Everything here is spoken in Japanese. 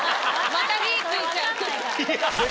また火ついちゃうから。